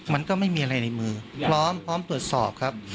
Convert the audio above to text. มันก็ไม่มีอะไรในมือพร้อมพร้อมตรวจสอบครับ